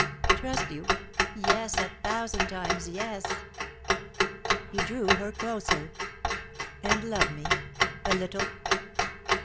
"Trust you? Yes, a thousand times, yes!" He drew her closer. "And love me a little?"